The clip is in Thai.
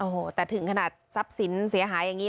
โอ้โหแต่ถึงขนาดทรัพย์สินเสียหายอย่างนี้